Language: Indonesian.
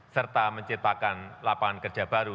serta menciptakan lapangan kerja baru